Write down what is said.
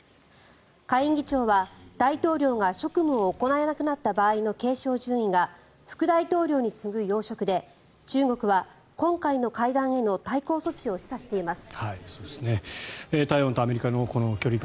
下院議長は、大統領が職務を行えなくなった場合の継承順位が副大統領に次ぐ要職で中国は今回の会談への対抗措置を示唆しています。